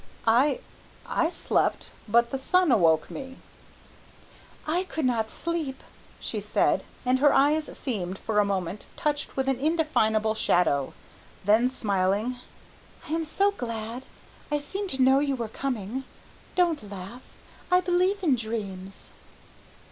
"I I slept, but the sun awoke me." "I could not sleep," she said, and her eyes seemed, for a moment, touched with an indefinable shadow. Then, smiling, "I am so glad I seemed to know you were coming. Don't laugh, I believe in dreams."